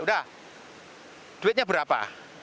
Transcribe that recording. udah duitnya berapa